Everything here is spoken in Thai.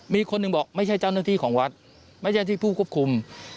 มีคนหนึ่งบอกไม่ใช่เจ้าหน้าที่ของวัดไม่ใช่ที่ผู้ควบคุม